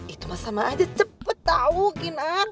itu sama aja cepet tau kinar